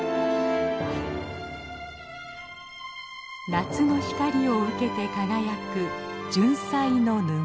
夏の光を受けて輝くジュンサイの沼。